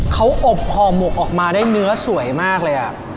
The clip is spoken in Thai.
เขาอบห่อหมกออกมาได้เนื้อสวยมากเลย